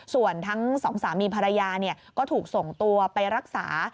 ส่วนทั้งสองสามีภรรยาก็ถูกส่งตัวไปรักษา